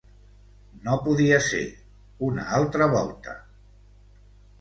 No podia ser, una altra volta...